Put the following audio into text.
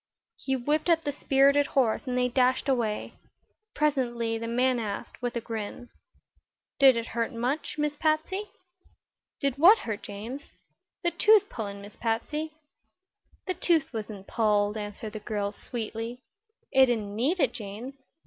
He whipped up the spirited horse and they dashed away. Presently the man asked, with a grin: "Did it hurt much, Miss Patsy?" "Did what hurt, James?" "The tooth pullin', Miss Patsy." "The tooth wasn't pulled," answered the girl, sweetly. "It didn't need it, James.